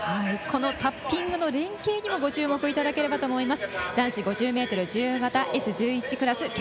タッピングの連携にもご注目いただけるかと思います。